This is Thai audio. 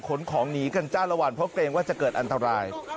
ขนของหนีกันจ้าละวันเพราะเกรงว่าจะเกิดอันตราย